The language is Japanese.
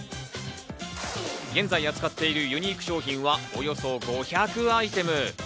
現在、扱っているユニーク商品はおよそ５００アイテム。